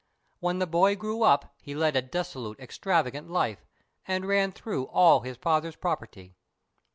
When the boy grew up he led a dissolute, extravagant life, and ran through all his father's property.